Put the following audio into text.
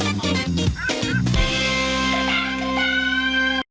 ข้าวใส่ไทยสอบกว่าใครใหม่กว่าเดิมค่อยเมื่อล่า